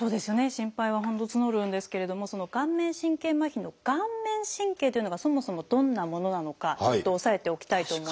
心配は本当募るんですけれども顔面神経麻痺の「顔面神経」というのがそもそもどんなものなのかちょっと押さえておきたいと思います。